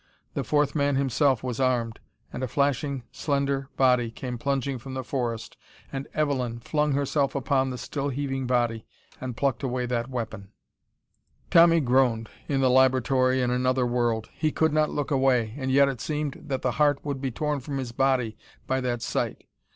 The fourth man himself was armed and a flashing slender body came plunging from the forest and Evelyn flung herself upon the still heaving body and plucked away that weapon. Tommy groaned, in the laboratory in another world. He could not look away, and yet it seemed that the heart would be torn from his body by that sight.